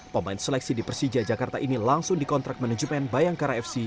pemain seleksi di persija jakarta ini langsung dikontrak manajemen bayangkara fc